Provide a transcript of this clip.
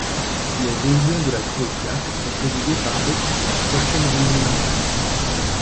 Les réunions de la Troika sont présidées par l’hôte de la prochaine réunion annuelle.